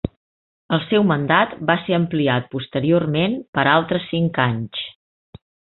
El seu mandat va ser ampliat posteriorment per altres cinc anys.